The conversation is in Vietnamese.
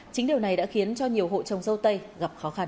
chính điều này đã khiến cho nhiều hộ trồng dâu tây gặp khó khăn